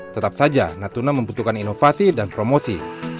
tetap saja natuna membutuhkan inovasi dan promosi